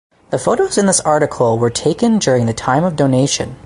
The photos in this article were taken during the time of donation.